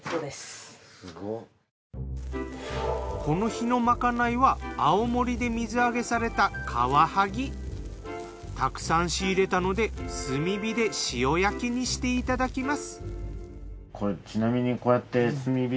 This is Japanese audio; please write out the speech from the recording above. この日のまかないは青森で水揚げされたたくさん仕入れたので炭火で塩焼きにしていただきます。